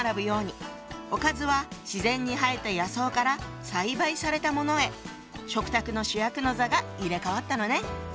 おかずは自然に生えた野草から栽培されたものへ食卓の主役の座が入れ代わったのね。